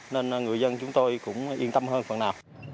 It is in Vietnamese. nên người dân chúng tôi cũng yên tâm hơn phần nào